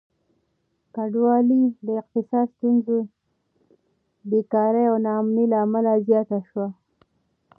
کډوالي د اقتصادي ستونزو، بېکاري او ناامني له امله زياته شوه.